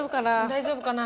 大丈夫かな？